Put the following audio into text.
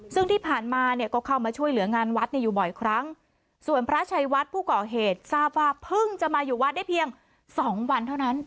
ซึ่งที่ผ่านมาเนี่ยก็เข้ามาช่วยเหลืองานวัดเนี่ยอยู่บ่อยครั้งส่วนพระชัยวัดผู้ก่อเหตุทราบว่าเพิ่งจะมาอยู่วัดได้เพียงสองวันเท่านั้น